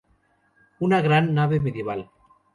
Una gran nave medieval.